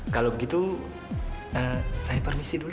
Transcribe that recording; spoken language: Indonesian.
kalau begitu saya permisi dulu